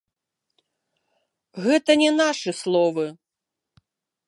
Гэта не нашы словы.